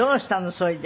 それで。